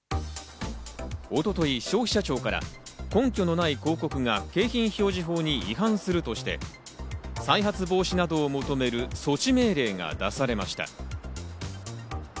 一昨日、消費者庁から根拠のない広告が景品表示法に違反するとして、再発防止などを求める措置命令が出されました。